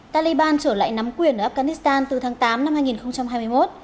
taliban trở lại nắm quyền ở afghanistan từ tháng tám năm hai nghìn hai mươi một